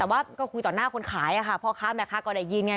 แต่ว่าก็คุยต่อหน้าคนขายอะค่ะพ่อค้าแม่ค้าก็ได้ยินไง